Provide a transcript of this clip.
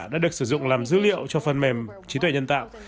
đã được sử dụng làm dữ liệu cho phần mềm trí tuệ nhân tạo